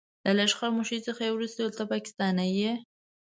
له لږ خاموشۍ څخه وروسته يې وويل ته پاکستانی يې.